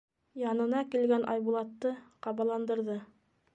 Янына килгән Айбулатты ҡабаландырҙы: